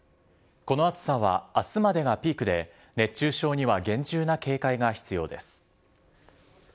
この暑さはあすまでがピークで、熱中症には厳重な警戒が必要です。